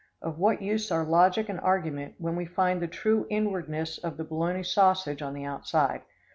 Of what use are logic and argument when we find the true inwardness of the bologna sausage on the outside?"